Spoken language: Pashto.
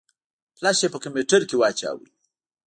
فلش يې په کمپيوټر کې واچوه.